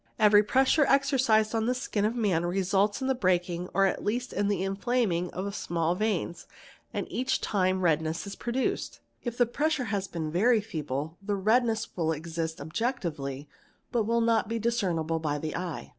very pressure exercised on the skin of a man results in the breaking or at least in the inflaming of the small veins, and — each time redness is produced. If the pressure has been very feeble — the redness will exist objectively but will not be discernible by the : eye.